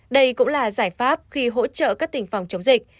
đây cũng là giải pháp khi hỗ trợ các tỉnh phòng chống dịch